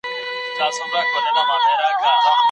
مذهبي لږکي په نړیوالو تړونونو کي برخه نه سي اخیستلای.